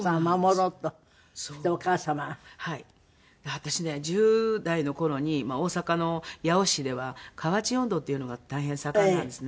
私ね１０代の頃に大阪の八尾市では河内音頭っていうのが大変盛んなんですね。